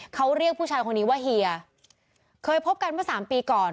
เขาเรียกผู้ชายคนนี้ว่าเฮียเคยพบกันเมื่อสามปีก่อน